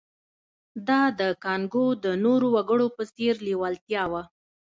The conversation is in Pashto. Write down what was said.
دا د کانګو د نورو وګړو په څېر لېوالتیا وه